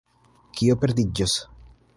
Kio perdiĝos?